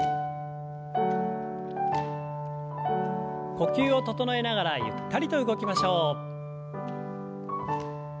呼吸を整えながらゆったりと動きましょう。